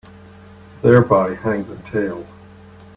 Thereby hangs a tale